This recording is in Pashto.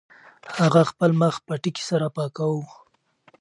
هغه خپل مخ پټکي سره پاکاوه.